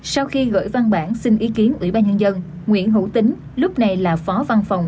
sau khi gửi văn bản xin ý kiến ủy ban nhân dân nguyễn hữu tính lúc này là phó văn phòng